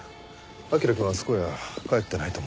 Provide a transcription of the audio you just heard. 彬くんはあそこへは帰ってないと思いますよ。